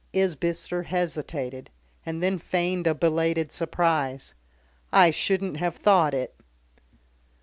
Isbister hesitated, and then feigned a belated surprise. "I shouldn't have thought it."